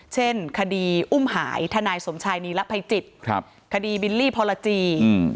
เช่นคดีอุ้มหายทนายสมชายนีระภัยจิตคดีบิลลี่พรจี